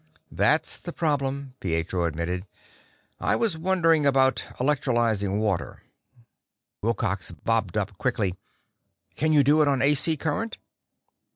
"That's the problem," Pietro admitted. "I was wondering about electrolyzing water." Wilcox bobbed up quickly. "Can you do it on AC current?"